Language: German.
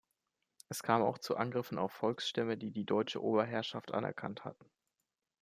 Es kam auch zu Angriffen auf Volksstämme, die die deutsche Oberherrschaft anerkannt hatten.